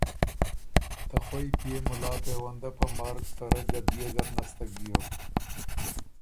ته خوئ پئے مُلا پېونده په مرګ ته رۀ ګديې زر نستک بیوک۔